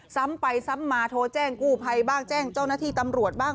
ซ้ำไปซ้ำมาโทรแจ้งกู้ภัยบ้างแจ้งเจ้าหน้าที่ตำรวจบ้าง